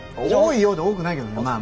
多いようで多くないけどね。